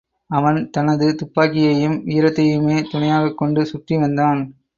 அவன் தனது துப்பாக்கியையும் வீரத்தையுமே துணையாகக் கொண்டு சுற்றி வந்தான்.